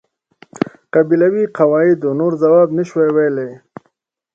قبیلوي قواعد نور ځواب نشوای ویلای.